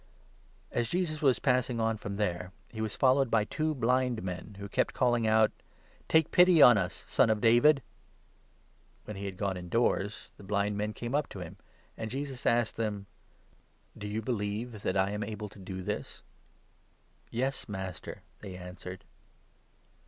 As Jesus was passing on from there, he was 27 "t^o" followed by two blind men, who kept calling out : blind Men. «« Take pity on us, Son of David !". When he had gone indoors, the blind men came up to him ; 28 and Jesus asked them :" Do you believe that I am able to do this ?"" Yes, Master !" they answered.